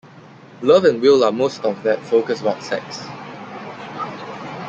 Love and will are most of that focus about sex.